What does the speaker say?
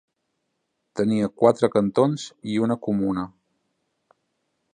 Tenia quatre cantons i una comuna.